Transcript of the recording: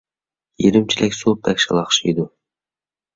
يېرىم چېلەك سۇ بەك شالاقشىيدۇ.